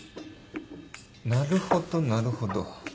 なるほどなるほど。